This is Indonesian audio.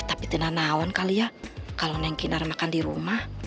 tapi tenang naon kali ya kalau neng kinar makan di rumah